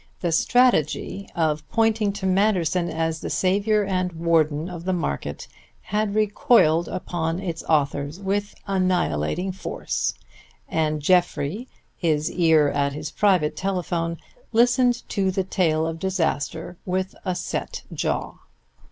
The strategy of pointing to Manderson as the savior and warden of the market had recoiled upon its authors with annihilating force, and Jeffrey, his ear at his private telephone, listened to the tale of disaster with a set jaw.